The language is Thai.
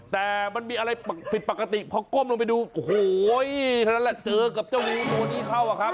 แต่มันมีอะไรผิดปกติพอก้มลงไปดูโอ้โหเท่านั้นแหละเจอกับเจ้างูตัวนี้เข้าอะครับ